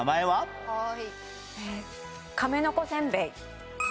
えっ亀の子せんべい。